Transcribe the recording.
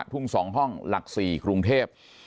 ทุ่ง๒ห้องหลัก๔กรุงเทพ